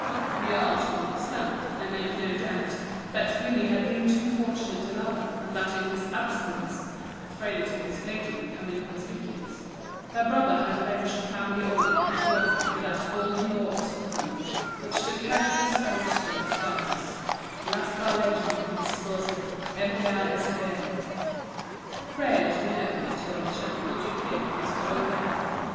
]"We are to understand, I make no doubt, that Willie had been too fortunate a lover, and that in his absence—the frailty of his lady becoming conspicuous—her brother had avenged the family honour according to that old law of Scotland which the courteous Ariosto styles "l' aspra legge di Scozia, empia e severa." Pray let me know, at your leisure, what you think of this trouvaille.